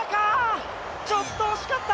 ちょっと惜しかった！